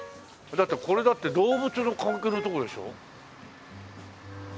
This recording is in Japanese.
これだって動物の関係のとこでしょ？